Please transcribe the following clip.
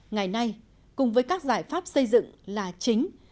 ngày nay cùng với các giải pháp xây dựng là chính